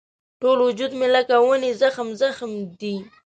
ټول وجود مې لکه ونې زخم زخم دی.